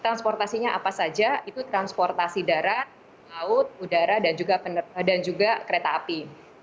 transportasinya apa saja itu transportasi darat laut udara dan juga kereta api